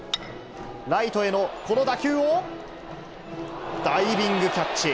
ライトへのこの打球を、ダイビングキャッチ。